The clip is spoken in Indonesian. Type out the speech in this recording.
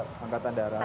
siap angkatan darat